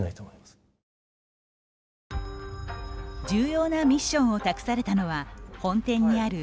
重要なミッションを託されたのは、本店にあ